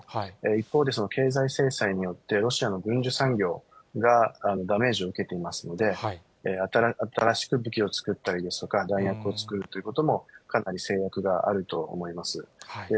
一方で、経済制裁によってロシアの軍需産業がダメージを受けていますので、新しく武器を作ったりですとか、弾薬を作るということも、かなり制約があると思います。